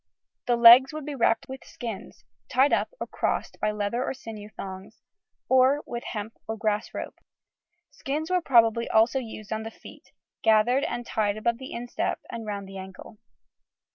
The legs would be wrapped with skins, tied up or crossed by leather or sinew thongs, or with hemp or grass rope. Skins were probably also used on the feet, gathered and tied above the instep and round the ankle.